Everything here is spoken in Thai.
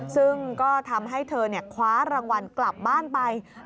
ซึ่งก็ทำให้เธอคว้ารางวัลกลับบ้านไป